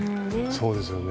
そうですね。